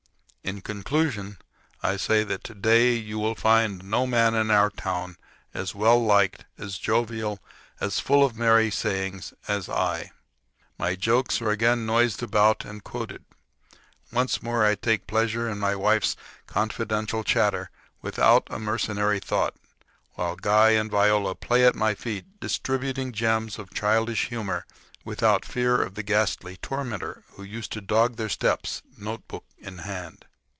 In conclusion, I will say that to day you will find no man in our town as well liked, as jovial, and full of merry sayings as I. My jokes are again noised about and quoted; once more I take pleasure in my wife's confidential chatter without a mercenary thought, while Guy and Viola play at my feet distributing gems of childish humor without fear of the ghastly tormentor who used to dog their steps, notebook in hand.